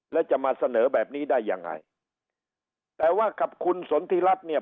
แล้วจะมาเสนอแบบนี้ได้ยังไงแต่ว่ากับคุณสนทิรัฐเนี่ย